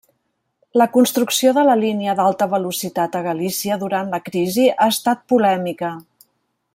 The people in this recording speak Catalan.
La construcció de la línia d'alta velocitat a Galícia durant la crisi ha estat polèmica.